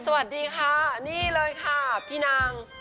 สวัสดีค่ะนี่เลยค่ะพี่นาง